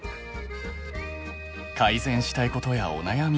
改善したいことやお悩み